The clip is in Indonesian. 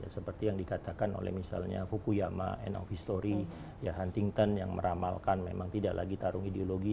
seperti yang dikatakan oleh misalnya fukuyama and of history huntington yang meramalkan memang tidak lagi tarung ideologi